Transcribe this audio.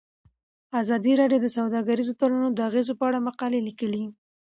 ازادي راډیو د سوداګریز تړونونه د اغیزو په اړه مقالو لیکلي.